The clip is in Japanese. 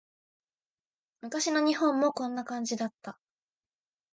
昔の日本もこんな感じだった